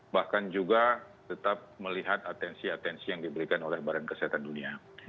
bahkan juga tetap melihat atensi atensi yang diberikan oleh badan kesehatan dunia